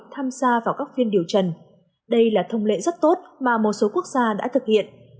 tham gia vào các phiên điều trần đây là thông lệ rất tốt mà một số quốc gia đã thực hiện